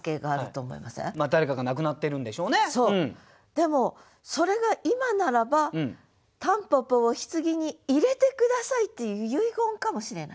でも「それが今ならば蒲公英を柩に入れて下さい」っていう遺言かもしれないでしょ。